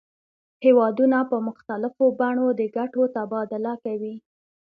هیوادونه په مختلفو بڼو د ګټو تبادله کوي